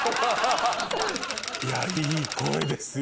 いやいい声ですよ